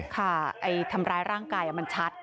ค่ะทำร้ายร่างกายมันชัด